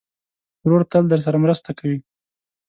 ورور تل درسره مرسته کوي.